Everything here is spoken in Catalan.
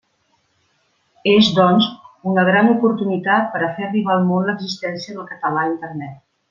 És, doncs, una gran oportunitat per a fer arribar al món l'existència del català a Internet.